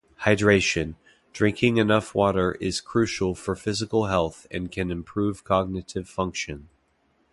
Hydration: Drinking enough water is crucial for physical health and can improve cognitive function.